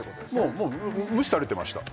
もう無視されてました